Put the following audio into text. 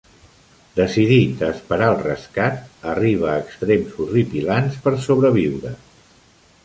Decidit a esperar el rescat, arriba a extrems horripilants per sobreviure.